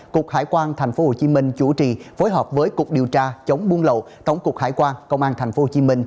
cục hải quan tp hcm chủ trì phối hợp với cục điều tra chống buôn lậu tổng cục hải quan công an tp hcm